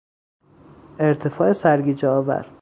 ارتفاع سرگیجهآور